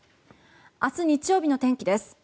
明日日曜日の天気です。